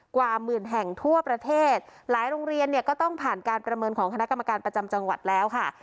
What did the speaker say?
กว่าหมื่นแห่งทั่วประเทศหลายโรงเรียนเนี่ยก็ต้องผ่านการประเมินของคณะกรรมการประจำจังหวัดแล้วค่ะ